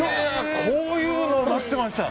こういうのを待ってました！